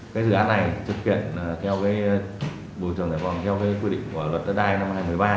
cái dự án này thực hiện theo bùi thường giải phóng theo quyết định của luật đại đai năm hai nghìn một mươi ba